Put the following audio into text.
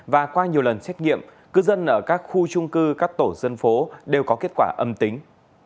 và qua nhiều lần xét nghiệm cư dân ở các khu trung cư các tổ dân phố đều có kết quả âm tính